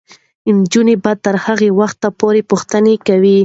نجونې به تر هغه وخته پورې پوښتنې کوي.